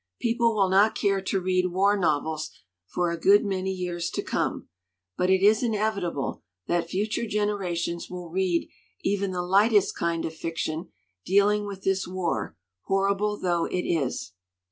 People will not care to read war novels for a good many years to come, but 163 ' LITERATURE IN THE MAKING it is inevitable that future generations will read even the lightest kind of fiction dealing with this war, horrible though it is.